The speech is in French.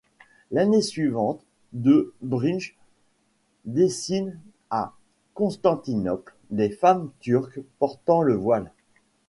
L'année suivante, de Bruijn dessine à Constantinople des femmes turques portant le voile.